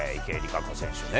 池江璃花子選手